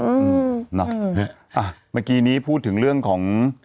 เมื่อกี้นี้พูดถึงเรื่องของ